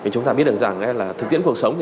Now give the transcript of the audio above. chúng ta biết được rằng thực tiễn cuộc sống